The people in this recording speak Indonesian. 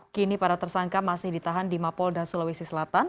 kini para tersangka masih ditahan di mapolda sulawesi selatan